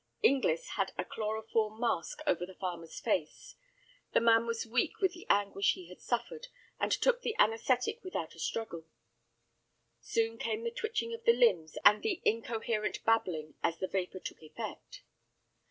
Inglis had the chloroform mask over the farmer's face. The man was weak with the anguish he had suffered, and took the anæsthetic without a struggle. Soon came the twitching of the limbs and the incoherent babbling as the vapor took effect.